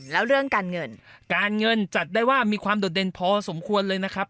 แล้วเรื่องการเงินการเงินจัดได้ว่ามีความโดดเด่นพอสมควรเลยนะครับ